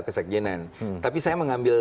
kesekjianan tapi saya mengambil